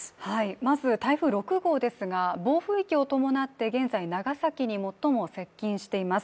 まず台風６号ですが、暴風域を伴って現在、長崎に最も接近しています。